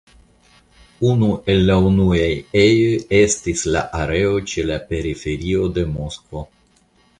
Unu el la unuaj ejoj estis la areo ĉe la periferio de Moskvo.